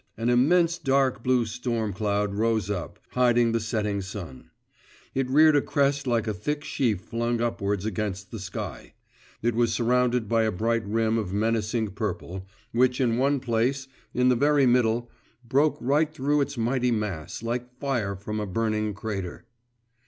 An immense dark blue storm cloud rose up, hiding the setting sun; it reared a crest like a thick sheaf flung upwards against the sky; it was surrounded by a bright rim of menacing purple, which in one place, in the very middle, broke right through its mighty mass, like fire from a burning crater.